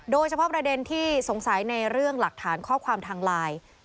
โดยเฉพาะประเด็นที่สงสัยในเรื่องหลักฐานข้อความทางไลน์